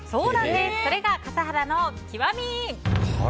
それが笠原の極み。